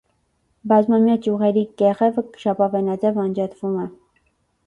Բազմամյա ճյուղերի կեղևը ժապավենաձև անջատվում է։